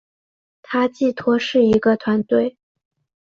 它寄托是一个团队